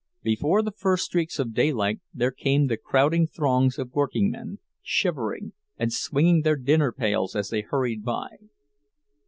Before the first streaks of daylight there came the crowding throngs of workingmen, shivering, and swinging their dinner pails as they hurried by.